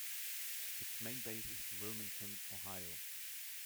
Its main base is Wilmington, Ohio.